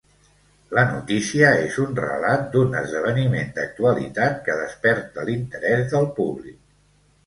La notícia és un relat d'un esdeveniment d'actualitat, que desperta l'interès del públic.